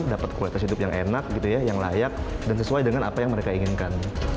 dapat kualitas hidup yang enak gitu ya yang layak dan sesuai dengan apa yang mereka inginkan